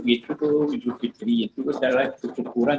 itu sholat idul fitri itu secara kesyukuran